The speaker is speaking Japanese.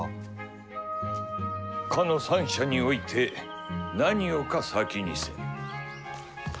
「斯の三者に於いて何をか先にせん」。